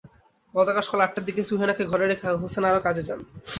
গতকাল সকাল আটটার দিকে সুহেনাকে ঘরে রেখে হোসনে আরা কাজে যান।